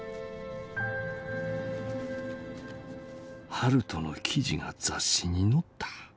「悠人の記事が雑誌に載った。